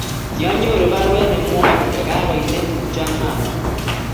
kianyoru barwet nemwe kole kakoit netupcho ak mamanyu